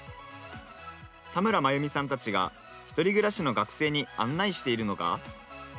田村まゆみさんたちが１人暮らしの学生に案内しているのが。